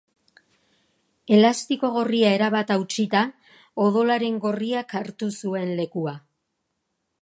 Elastiko gorria erabat hautsita, odolaren gorriak hartu zuen lekua.